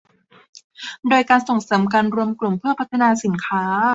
โดยส่งเสริมการรวมกลุ่มเพื่อพัฒนาสินค้า